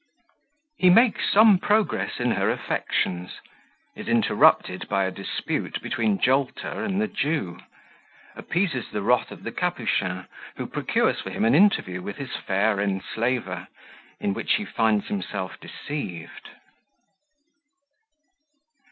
He makes some Progress in her Affections Is interrupted by a Dispute between Jolter and the Jew Appeases the Wrath of the Capuchin, who procures for him an interview with his fair Enslaver, in which he finds himself deceived.